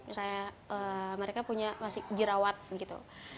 misalnya mereka punya masih jerawat gitu